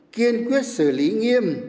kiên quyết xử lý nghiêm